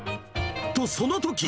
と、そのとき。